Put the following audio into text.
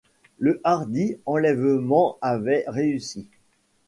Le hardi enlèvement avait réussi.